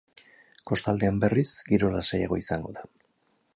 Kostaldean, berriz, giro lasaiagoa izango da.